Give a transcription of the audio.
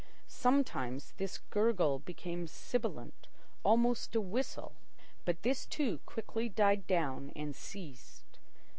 Sometimes this gurgle became sibilant, almost a whistle. But this, too, quickly died down and ceased.